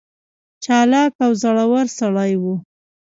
چالاک او زړه ور سړی وي.